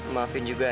maafin juga ayang